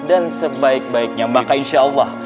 dan sebaik baiknya maka insya allah